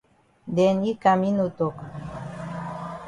Den yi kam yi no tok.